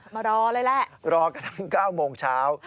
มารอเลยแหละรอกันทั้ง๙โมงเช้า